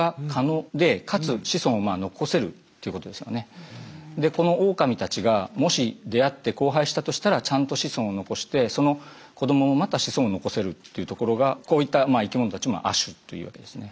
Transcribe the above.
亜種はでこのオオカミたちがもし出会って交配したとしたらちゃんと子孫を残してその子どももまた子孫を残せるっていうところがこういった生きものたちを亜種というわけですね。